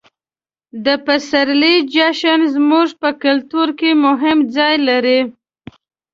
د پسرلي جشن زموږ په کلتور کې مهم ځای لري.